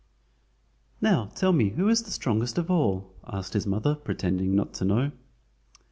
"Now tell me who is the strongest of all?" asked his mother, pretending not to know.